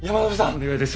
お願いです。